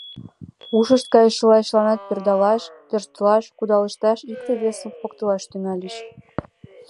Ушышт кайышыла чыланат пӧрдалаш, тӧрштылаш, кудалышташ, икте-весым поктылаш тӱҥальыч.